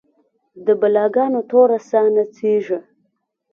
د بلا ګانو توره ساه نڅیږې